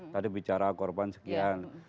tadi bicara korban sekian